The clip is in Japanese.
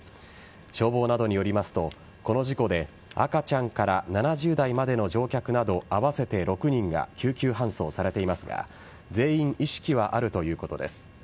消防などによりますとこの事故で赤ちゃんから７０代までの乗客など合わせて６人が救急搬送されていますが全員意識はあるということです。